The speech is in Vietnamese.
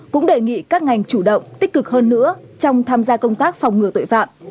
cũng đề nghị các ngành chủ động tích cực hơn nữa trong tham gia công tác phòng ngừa tội phạm